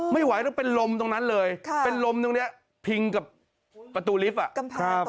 ไม่ไหวแล้วเป็นลมตรงนั้นเลยค่ะเป็นลมตรงเนี้ยพิงกับประตูลิฟต์อ่ะ